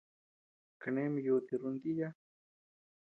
Kane ama yuti runtíya.